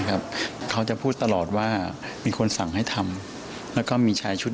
เขาจะพูดตลอดว่ามีคนสั่งให้ทำแล้วก็มีชายชุด